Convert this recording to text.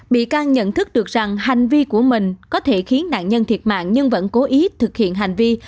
bị can nhận thức được rằng hành vi của mình có thể khiến nạn nhân thiệt mạng nhưng vẫn cố ý thực hiện hành vi